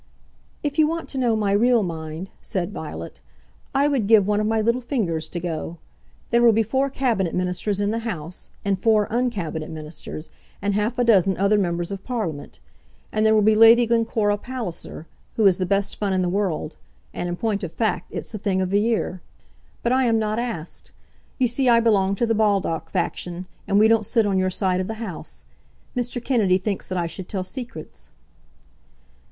"If you want to know my real mind," said Violet, "I would give one of my little fingers to go. There will be four Cabinet Ministers in the house, and four un Cabinet Ministers, and half a dozen other members of Parliament, and there will be Lady Glencora Palliser, who is the best fun in the world; and, in point of fact, it's the thing of the year. But I am not asked. You see I belong to the Baldock faction, and we don't sit on your side of the House. Mr. Kennedy thinks that I should tell secrets."